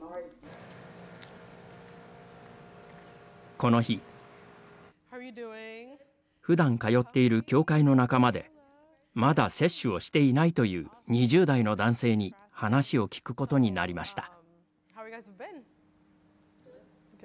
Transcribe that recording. この日、ふだん通っている教会の仲間でまだ接種をしていないという２０代の男性に話を聞くことになりました。